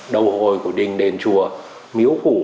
đầu hồi của đình đền chùa miếu phủ